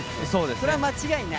それは間違いない？